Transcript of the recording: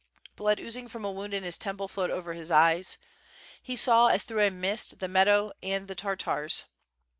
Blood oozing from a wound in his temple flowed over his eyes; he saw as through a mist, the meadow, and the Tartars.